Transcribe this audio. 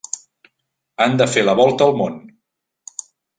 Han de fer la volta al món.